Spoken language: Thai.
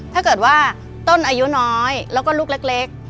ถ้าเกิดว่าต้นอายุน้อยแล้วก็ลูกเล็ก